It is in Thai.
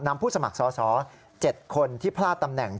ผู้สมัครสอสอ๗คนที่พลาดตำแหน่ง